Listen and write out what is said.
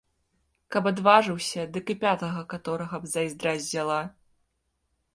Каб адважыўся, дык і пятага каторага б зайздрасць узяла.